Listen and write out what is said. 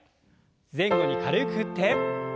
前後に軽く振って。